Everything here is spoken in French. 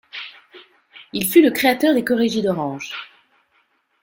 Il fut le créateur des Chorégies d'Orange.